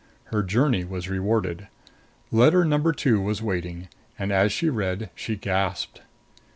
Her journey was rewarded. Letter number two was waiting; and as she read she gasped.